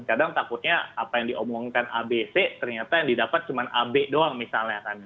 kadang takutnya apa yang diomongkan abc ternyata yang didapat cuma ab doang misalnya kan